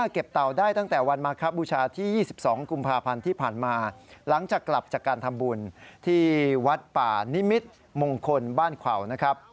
ก็จะกลับจากการทำบุญที่วัดป่านิมิตรมงคลบ้านขวาวนะครับ